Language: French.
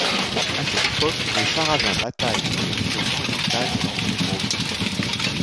À cette époque, les Sarrasins bataillent dans les régions orientales de l'empire Romain.